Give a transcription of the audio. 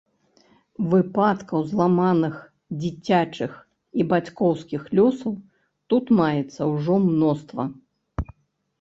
Выпадкаў зламаных дзіцячых і бацькоўскіх лёсаў тут маецца ўжо мноства.